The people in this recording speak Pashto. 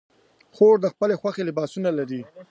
خور د خپلو د خوښې لباسونه لري.